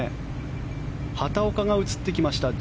畑岡が映ってきました。